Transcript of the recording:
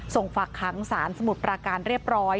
ฝากค้างสารสมุทรปราการเรียบร้อย